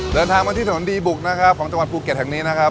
เดินทางมาที่ถนนดีบุกนะครับของจังหวัดภูเก็ตแห่งนี้นะครับ